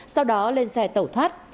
sau đó lên xe tẩu thoát